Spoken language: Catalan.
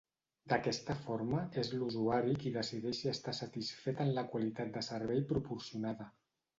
D'aquesta forma, és l'usuari qui decideix si està satisfet en la qualitat de servei proporcionada.